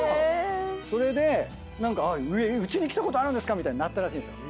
それでうちに来たことあるんですか⁉みたいになったらしいんですよ。